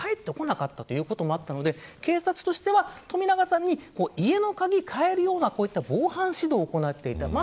最終的に鍵が返ってこなかったということがあって警察としては冨永さんに家の鍵を変えるよう防犯指導を行っていた。